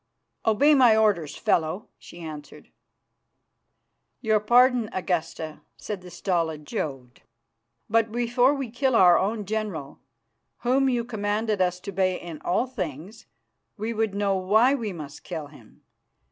"Obey my orders, fellow," she answered. "Your pardon, Augusta," said the stolid Jodd, "but before we kill our own general, whom you commanded us to obey in all things, we would know why we must kill him.